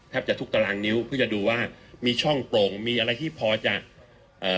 จะทุกตารางนิ้วเพื่อจะดูว่ามีช่องโปร่งมีอะไรที่พอจะเอ่อ